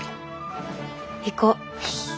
行こう。